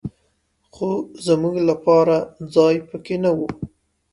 خو زمونږ لپاره ځای په کې نه و.